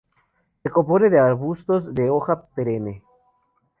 Se compone de arbustos de hoja perenne.